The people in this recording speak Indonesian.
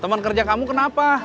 temen kerja kamu kenapa